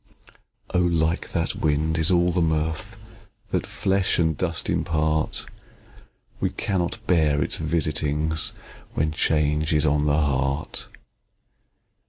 Oh! like that wind, is all the mirth That flesh and dust impart: We cannot bear its visitings, When change is on the heart.